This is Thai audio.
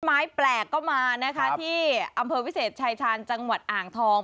ไม้แปลกก็มานะคะที่อำเภอวิเศษชายชาญจังหวัดอ่างทอง